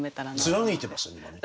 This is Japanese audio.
貫いてますよね今ね。